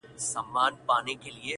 کلي ورو ورو ارامېږي,